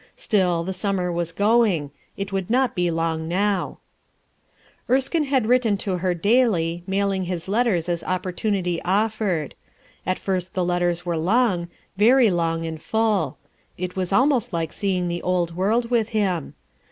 Still, the summer was going; it would not be long now. 10 6 RUTH ERSICINE'S SON Erskine had written to her daily, mailing hi s letters' as opportunity offered. At first the letters were long, very long and full ; it Waa almost like seeing the old world with him.